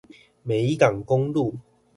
美港公路